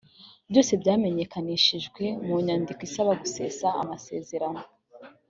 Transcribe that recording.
byose byamenyekanishijwe mu nyandiko isaba gusesa amasezerano